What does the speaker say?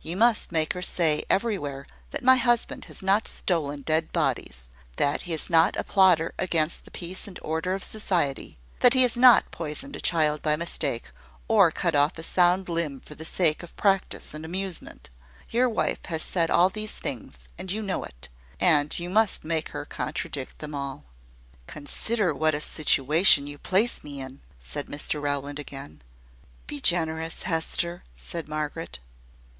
You must make her say everywhere that my husband has not stolen dead bodies; that he is not a plotter against the peace and order of society; that he has not poisoned a child by mistake, or cut off a sound limb for the sake of practice and amusement. Your wife has said these things, and you know it; and you must make her contradict them all." "Consider what a situation you place me in!" said Mr Rowland again. "Be generous, Hester!" said Margaret.